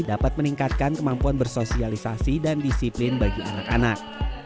dapat meningkatkan kemampuan bersosialisasi dan disiplin bagi anak anak